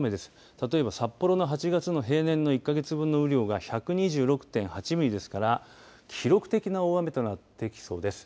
例えば札幌の８月の平年の１か月分の雨量が１２６．８ミリですから記録的な大雨となってきそうです。